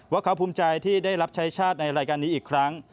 ว่าเขาภูมิใจที่ได้รับใช้ชาติในรายการนี้อีกครั้ง